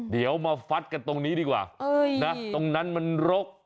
เดี๋ยวมาฟัดกันตรงนี้ดีกว่านะตรงนั้นมันรก